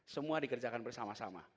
semua dikerjakan bersama sama